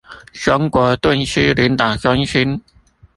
中國頓失領導中心